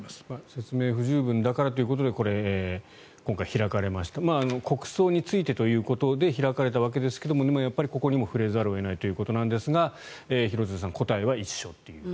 説明不十分だからということでこれ、今回開かれたました国葬についてということで開かれたというわけですがやっぱりここにも触れざるを得ないということですが廣津留さん、答えは一緒という。